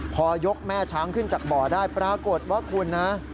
พอยกแม่ช้างขึ้นจากบ่อได้ปรากฏว่าคุณนะ